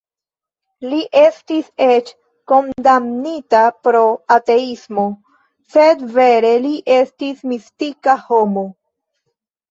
Li estis eĉ "kondamnita pro ateismo", sed vere li estis mistika homo.